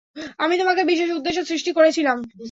আমি তোমাকে বিশেষ উদ্দেশ্যে সৃষ্টি করেছিলাম।